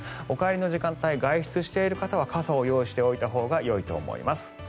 お帰りの時間帯外出している方は傘を用意しておいたほうがいいと思います。